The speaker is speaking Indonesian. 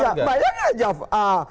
ya banyak aja jawab